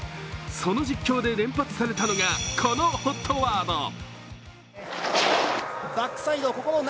その実況で連発されたのがこのＨＯＴワード。